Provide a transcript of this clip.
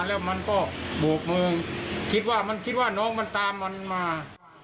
แล้วมันก็บวกมึงมันคิดว่าน้องมันตามมันมา